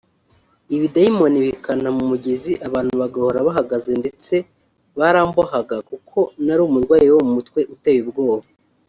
ibidayimoni bikanta mu mugezi abantu bagahora bahagaze ndetse barambohaga kuko nari (umurwayi wo mu mutwe) uteye ubwoba